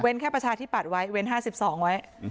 เว้นแค่ประชาธิปัดไว้เว้น๕๒ไว้